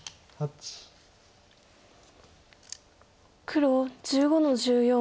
黒１５の十四。